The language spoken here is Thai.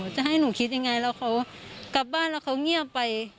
จะให้หนูคิดยังไงแล้วเขากลับบ้านแล้วเขาเงียบไป